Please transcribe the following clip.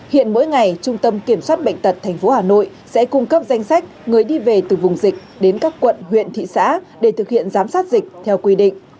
hiện mỗi ngày trung tâm kiểm soát bệnh tật tp hà nội sẽ cung cấp danh sách người đi về từ vùng dịch đến các quận huyện thị xã để thực hiện giám sát dịch theo quy định